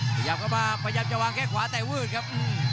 พยายามจะวางแค่ขวาแต่วืดครับ